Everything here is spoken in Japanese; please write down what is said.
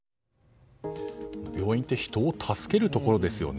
病院って人を助けるところですよね。